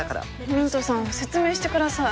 ミントさん説明してください。